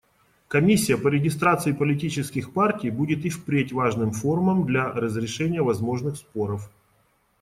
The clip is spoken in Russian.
Комиссия по регистрации политических партий будет и впредь важным форумом для разрешения возможных споров.